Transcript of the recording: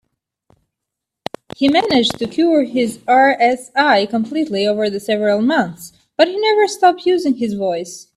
He managed to cure his RSI completely over several months, but he never stopped using his voice.